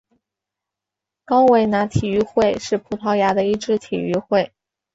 高维拿体育会是葡萄牙的一支体育会。